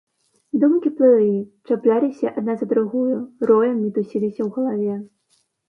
Думкі плылі, чапляліся адна за другую, роем мітусіліся ў галаве.